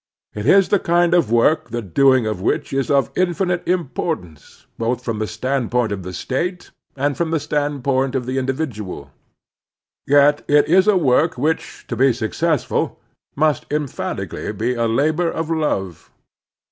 It is the kind of work the doing of which is of infinite importance both from the standpoint of the state and from the standpoint of the individual; yet it is a work which, to be successful, must emphatically be a labor of love.